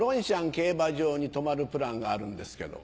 競馬場に泊まるプランがあるんですけど。